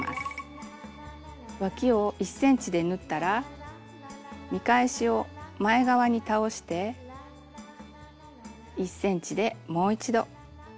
わきを１ｃｍで縫ったら見返しを前側に倒して１ｃｍでもう一度この部分縫います。